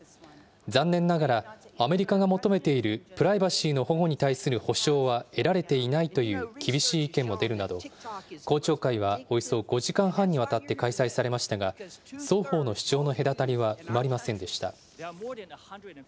残念ながら、アメリカが求めているプライバシーの保護に対する保証は得られていないなどの厳しい意見も出るなど、公聴会はおよそ５時間半にわたって開催されましたが、双方の主張の隔たりは埋まりませんでした。